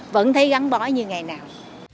đi gắn bõi như ngày nào